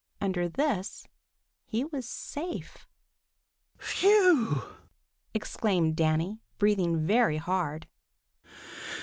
Under this he was safe. "Phew!" exclaimed Danny, breathing very hard.